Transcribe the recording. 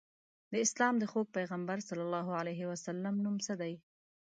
د اسلام د خوږ پیغمبر ص نوم څه دی؟